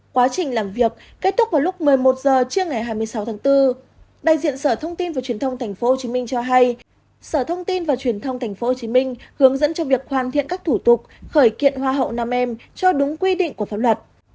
quá trình làm việc kết thúc vào lúc một mươi một h trưa ngày hai mươi sáu tháng bốn đại diện sở thông tin và truyền thông tp hcm cho hay sở thông tin và truyền thông tp hcm hướng dẫn cho việc hoàn thiện các thủ tục khởi kiện hoa hậu nam em cho đúng quy định của pháp luật